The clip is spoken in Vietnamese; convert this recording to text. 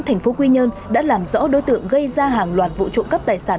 thành phố quy nhơn đã làm rõ đối tượng gây ra hàng loạt vụ trộm cắp tài sản